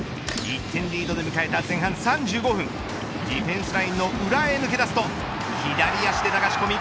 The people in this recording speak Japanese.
１点リードで迎えた前半３５分ディフェンスラインの裏へ抜け出すと左足で流し込み